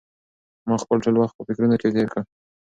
ما خپل ټول وخت په فکرونو کې تېر کړ.